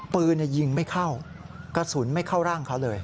ปืนยิงไม่เข้ากระสุนไม่เข้าร่างเขาเลย